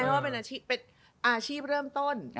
ใช่เพราะว่าเป็นอาชีพเริ่มต้น